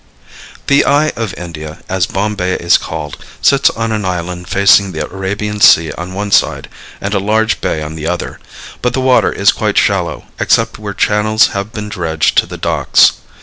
The Eye of India, as Bombay is called, sits on an island facing the Arabian Sea on one side and a large bay on the other, but the water is quite shallow, except where channels have been dredged to the docks.